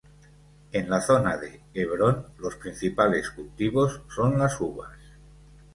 En la zona de Hebrón, los principales cultivos son las uvas.